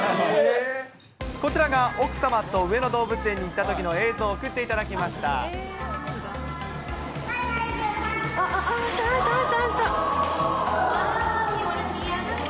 こちらが奥様と上野動物園に行ったときの映像を送っていただきました。